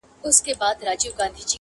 د ژوند معنا ګډوډه کيږي تل،